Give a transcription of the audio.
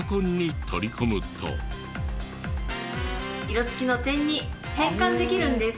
色つきの点に変換できるんです。